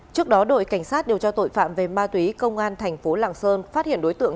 trước đó đội cảnh sát điều tra tội phạm về ma túy công an thành phố lạng sơn phát hiện đối tượng